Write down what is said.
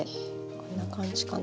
こんな感じかな。